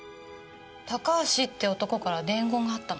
高橋って男から伝言があったの。